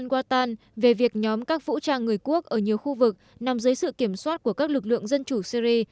watan về việc nhóm các vũ trang người quốc ở nhiều khu vực nằm dưới sự kiểm soát của các lực lượng dân chủ syri